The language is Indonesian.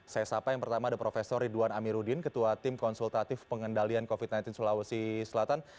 saya sapa yang pertama ada prof ridwan amiruddin ketua tim konsultatif pengendalian covid sembilan belas sulawesi selatan